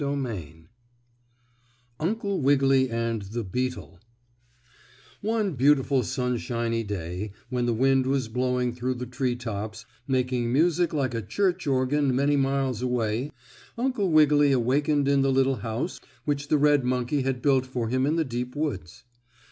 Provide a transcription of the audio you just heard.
STORY XXVII UNCLE WIGGILY AND THE BEETLE One beautiful sunshiny day, when the wind was blowing through the tree tops, making music like a church organ many miles away, Uncle Wiggily awakened in the little house which the red monkey had built for him in the deep woods.